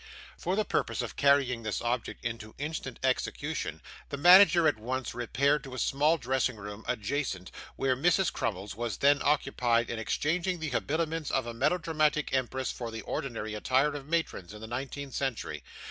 For the purpose of carrying this object into instant execution, the manager at once repaired to a small dressing room, adjacent, where Mrs. Crummles was then occupied in exchanging the habiliments of a melodramatic empress for the ordinary attire of matrons in the nineteenth century.